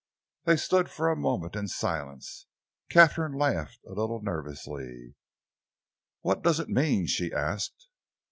They stood for a moment in silence. Katharine laughed a little nervously. "What does it mean?" she asked.